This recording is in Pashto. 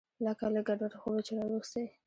لکه له ګډوډ خوبه چې راويښ سې.